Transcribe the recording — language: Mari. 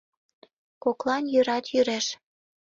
Коклан йӱрат йӱреш.